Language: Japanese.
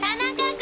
君。